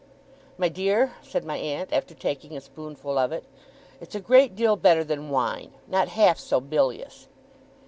'My dear,' said my aunt, after taking a spoonful of it; 'it's a great deal better than wine. Not half so bilious.